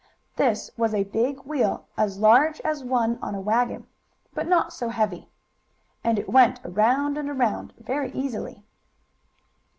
This was a big wheel, as large as one on a wagon, but not so heavy. And it went around and around, very easily.